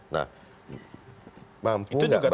nah mampu nggak badan ini